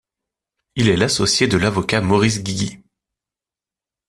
Il est l'associé de l'avocat Maurice Guigui.